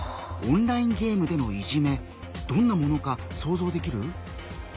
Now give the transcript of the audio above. オンラインゲームでのいじめどんなものか想像できる？